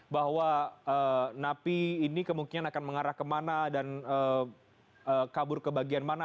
bahwa napi ini kemungkinan akan mengarah kemana dan kabur ke bagian mana